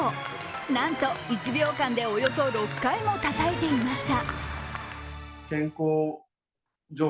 なんと１秒間でおよそ６回もたたいていました。